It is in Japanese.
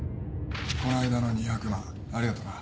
この間の２００万ありがとな